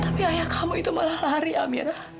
tapi ayah kamu itu malah lari amira